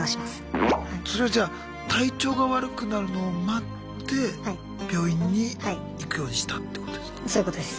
それはじゃあ体調が悪くなるのを待って病院に行くようにしたってことですか？